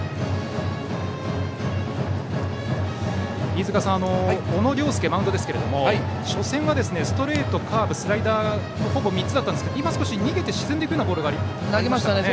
飯塚さん、小野涼介マウンドですけれども初戦は、ストレート、カーブスライダーのほぼ３つでしたが今、少し沈んで逃げるようなボールを投げましたね。